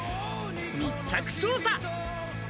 密着調査。